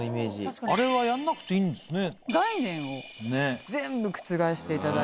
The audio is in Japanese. あれはやんなくていいんですね。